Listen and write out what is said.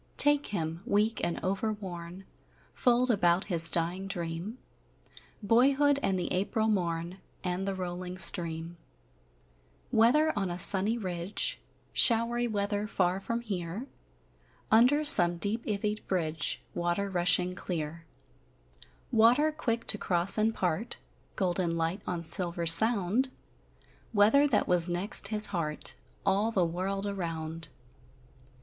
Take him, weak and overworn; Fold about his dying dream Boyhood, and the April morn, And the rolling stream: Weather on a sunny ridge, Showery weather, far from here; Under some deep ivied bridge, Water rushing clear: Water quick to cross and part, (Golden light on silver sound), Weather that was next his heart All the world around!